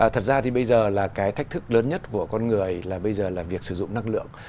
thật ra thì bây giờ là cái thách thức lớn nhất của con người là bây giờ là việc sử dụng năng lượng